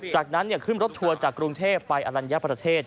จากนั้นขึ้นรถทัวร์จากกรุงเทพไปอลัญญาประเทศ